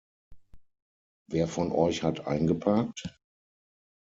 Wer von euch hat eingeparkt?